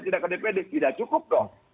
tidak ke dpd tidak cukup dong